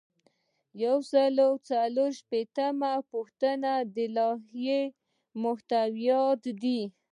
یو سل او څلور شپیتمه پوښتنه د لایحې محتویات دي.